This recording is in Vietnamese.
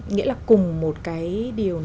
nghĩa là cùng một cái điều